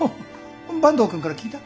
坂東くんから聞いた？